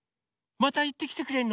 またいってきてくれるの？